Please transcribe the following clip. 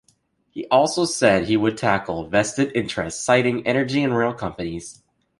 He also said he would tackle "vested interests", citing energy and rail companies.